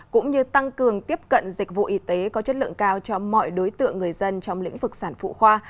cũng như tăng cường tiếp cận dịch vụ y tế có chất lượng cao cho mọi đối tượng người dân trong lĩnh vực sản phụ khoa